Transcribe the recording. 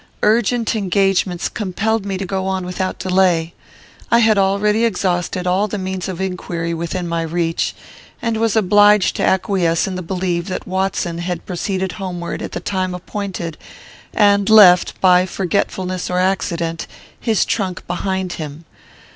Urgent engagements compelled me to go on without delay. I had already exhausted all the means of inquiry within my reach, and was obliged to acquiesce in the belief that Watson had proceeded homeward at the time appointed, and left, by forgetfulness or accident, his trunk behind him.